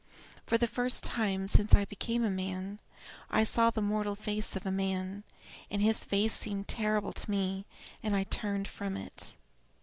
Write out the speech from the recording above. For the first time since I became a man I saw the mortal face of a man, and his face seemed terrible to me and I turned from it.